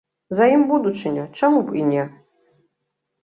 За ім будучыня, чаму б і не!